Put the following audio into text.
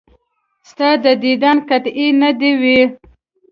ستا د دیدن قحطي دې نه وي.